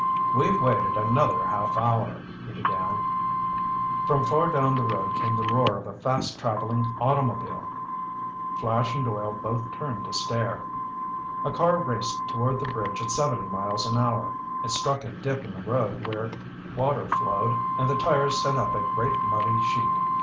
"We've wasted another half hour—" he began. From far down the road came the roar of a fast traveling automobile. Flash and Doyle both turned to stare. A car raced toward the bridge at seventy miles an hour. It struck a dip in the road where water flowed, and the tires sent up a great muddy sheet.